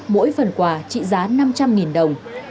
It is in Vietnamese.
mỗi phần quà trị giá năm trăm linh đồng